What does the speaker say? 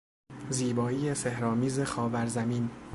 زیبایی سحر آمیز خاور زمین